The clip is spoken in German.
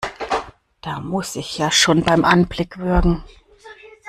Da muss ich ja schon beim Anblick würgen!